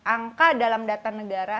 angka dalam data negara